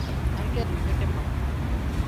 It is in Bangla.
আঙ্কেল থেকে মামা।